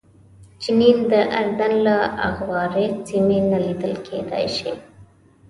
جنین د اردن له اغاورې سیمې نه لیدل کېدای شي.